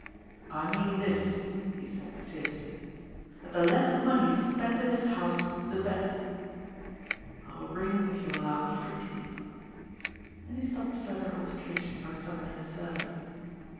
" I mean this," he said fiercely, " that the less money is spent in this house the better. I wiU ring, if you will allow me, for tea." And he stopped further altercation by summoning a servant.